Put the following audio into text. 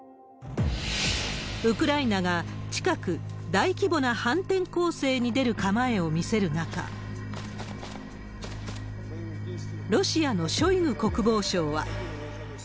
ウクライナが近く大規模な反転攻勢に出る構えを見せる中、ロシアのショイグ国防相は。